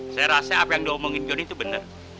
saya rasa apa yang diomongin johnn itu benar